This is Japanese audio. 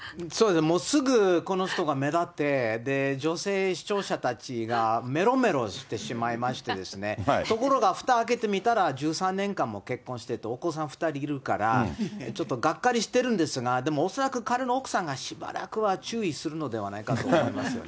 すぐ、この人が目立って、女性視聴者たちがメロメロしてしまいましてですね、ところがふた開けてみたら、１３年間も結婚してて、お子さん２人いるから、ちょっとがっかりしてるんですが、でも恐らく、彼の奥さんがしばらくは注意するのではないかと思いますよね。